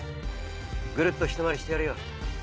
ぐるっとひと回りしてやるよ。